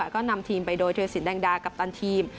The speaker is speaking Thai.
ก็นำทีมไปโดยธุรสินแดงดากัปตันทีม